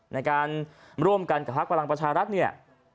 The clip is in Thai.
ในการรวมกันกับพลักษณ์พลังปัชฌาลัทธ์เนี่ย